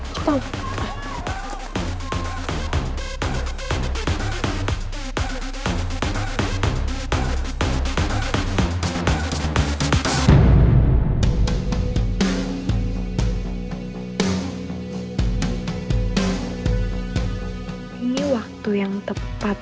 semangat ya lipa